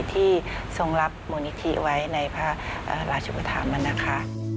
ที่ทรงรับมูลนิธิไว้ในพระราชุปธรรมนะคะ